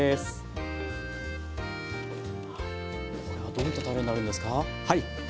これはどういったたれになるんですか？